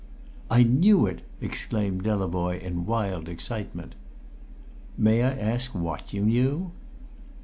"I knew it!" exclaimed Delavoye in wild excitement. "May I ask what you knew?"